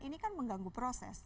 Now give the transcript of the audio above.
ini kan mengganggu proses